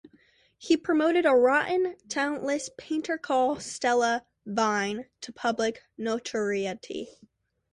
He promoted a rotten, talentless painter called Stella Vine to public notoriety.